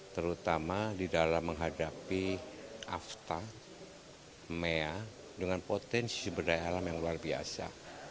terutama di dalam menghadapi afta mea dengan potensi sumber daya alam yang luar biasa